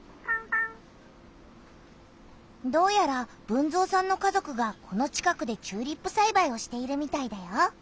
どうやら豊造さんの家族がこの近くでチューリップさいばいをしているみたいだよ。